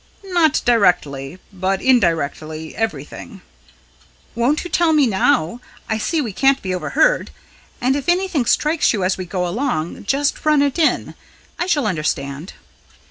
"Not directly; but indirectly, everything." "Won't you tell me now I see we cannot be overheard and if anything strikes you as we go along, just run it in. I shall understand."